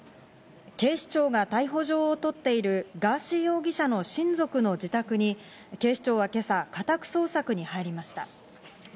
警視庁が逮捕状を取っているガーシー容疑者の親族の自宅に警視庁は今朝、家宅捜索に入りました。